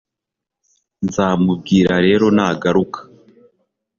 Nzabimubwira rero nagaruka